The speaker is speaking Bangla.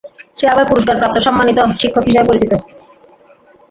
সে আবার পুরষ্কারপ্রাপ্ত সম্মানিত শিক্ষক হিসেবে পরিচিত।